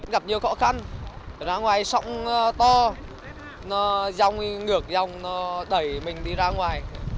gặp nhiều khó khăn ra ngoài sóng to nó dòng ngược dòng nó đẩy mình đi ra ngoài